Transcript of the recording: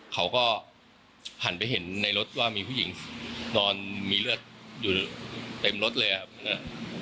เขาก็หันไปเห็นในรถว่ามีผู้หญิงนอนมีเลือดอยู่เต็มรถเลยครับ